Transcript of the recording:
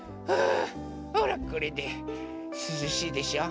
ほらこれですずしいでしょ？